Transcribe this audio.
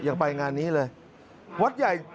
ยังไปงานนี้เลย